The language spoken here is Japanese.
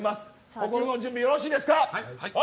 心の準備よろしいですか。